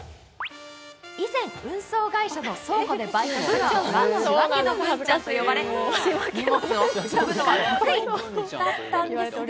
以前、運送会社の倉庫でバイトをし仕分けの文ちゃんと呼ばれ、荷物を運ぶのは得意だったんですが